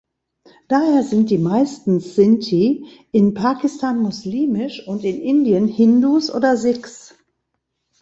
Daher sind die meisten Sindhi in Pakistan muslimisch und in Indien Hindus oder Sikhs.